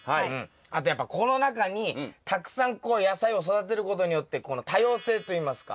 あとやっぱこの中にたくさんこう野菜を育てることによってこの多様性といいますか。